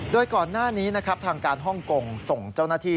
โดยก่อนหน้านี้นะครับทางการฮ่องกงส่งเจ้าหน้าที่